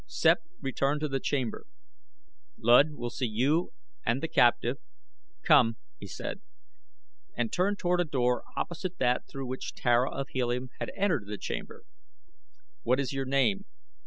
Sept returned to the chamber. "Luud will see you and the captive. Come!" he said, and turned toward a door opposite that through which Tara of Helium had entered the chamber. "What is your name?"